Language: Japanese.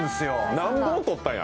何本撮ったんや。